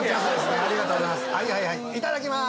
ありがとうございます